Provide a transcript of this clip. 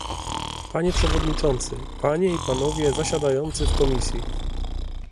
Panie przewodniczący, panie i panowie zasiadający w Komisji